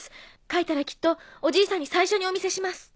書いたらきっとおじいさんに最初にお見せします。